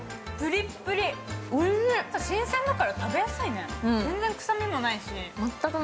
新鮮だから、食べやすいね、全然くさみもないし。